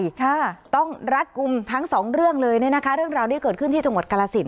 ค่ะต้องรัดกลุ่มทั้งสองเรื่องเลยเนี้ยนะคะเรื่องราวนี้เกิดขึ้นที่จังหวัดกาลสิน